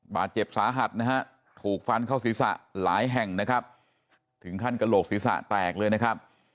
บาดเจ็บสาหัสนะฮะถูกฟันเข้าศีรษะหลายแห่งนะครับถึงขั้นกระโหลกศีรษะแตกเลยนะครับ